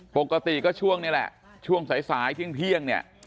ปกติก็ช่วงนี้แหละช่วงสายเที่ยงเนี่ย